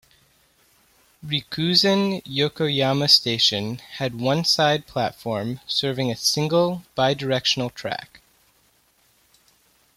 Rikuzen-Yokoyama Station had one side platform serving a single-bi-directional track.